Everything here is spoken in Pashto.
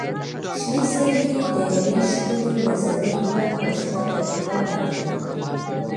• شنې سترګې د یوې ښکلي ورځنۍ لمر او شپه تجربه وړاندې کوي.